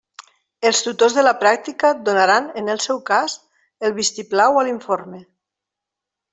Els tutors de la pràctica donaran, en el seu cas, el vistiplau a l'informe.